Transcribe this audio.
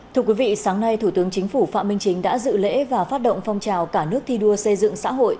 thưa quý vị sáng nay thủ tướng chính phủ phạm minh chính đã dự lễ và phát động phong trào cả nước thi đua xây dựng xã hội